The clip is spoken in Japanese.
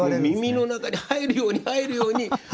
耳の中に入るように入るように。